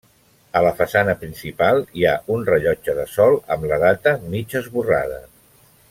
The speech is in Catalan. A la façana principal hi ha un rellotge de sol amb la data mig esborrada.